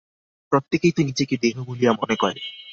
প্রত্যেকেই তো নিজেকে দেহ বলিয়া মনে করে।